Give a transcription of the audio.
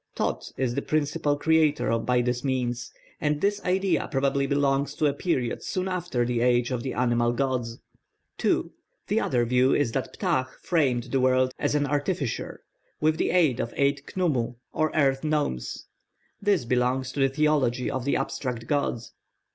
Thōth is the principal creator by this means, and this idea probably belongs to a period soon after the age of the animal gods. (2) The other view is that Ptah framed the world as an artificer, with the aid of eight Khnumu, or earth gnomes. This belongs to the theology of the abstract gods.